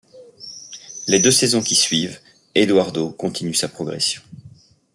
Les deux saisons qui suivent, Eduardo continue sa progression.